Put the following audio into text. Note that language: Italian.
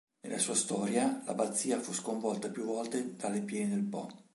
Nella sua storia, l'abbazia fu sconvolta più volte dalle piene del Po.